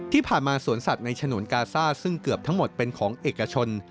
ที่ผ่านมาสวนสัตว์ในฉนวนกาซ่าซึ่งเกือบทั้งหมดเป็นของเอกชน